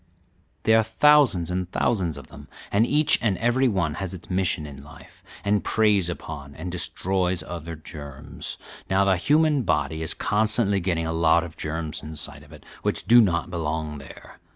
There are thousands and thousands of them, and each and every one has its mission in life, and preys upon and destroys other germs. Now, the human body is constantly getting a lot of germs inside of it which do not belong there.